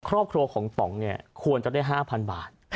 ครอบครัวของสองเนี่ยควรจะได้ห้าพันบาท